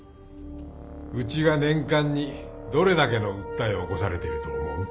うちが年間にどれだけの訴えを起こされてると思う？